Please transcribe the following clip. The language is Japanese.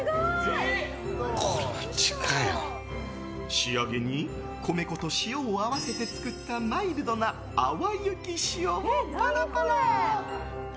仕上げに米粉と塩を合わせて作ったマイルドな淡雪塩をパラパラ。